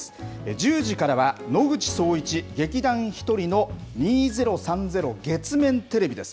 １０時からは、野口聡一・劇団ひとりの２０３０月面テレビです。